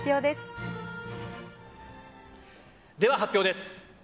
では発表です。